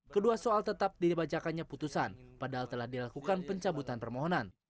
kedua soal tetap dibacakannya putusan padahal telah dilakukan pencabutan permohonan